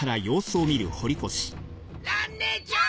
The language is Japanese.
蘭ねえちゃん！